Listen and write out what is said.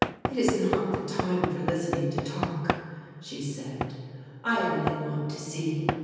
"It is not the time for listening to talk," she said. "I only want to see."